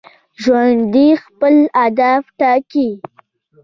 ژوندي خپل هدف ټاکي